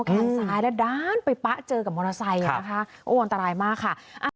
แขนซ้ายแล้วด้านไปปะเจอกับมอเตอร์ไซค์นะคะโอ้อันตรายมากค่ะ